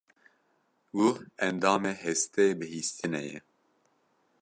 Guh endamê hestê bihîstinê ye.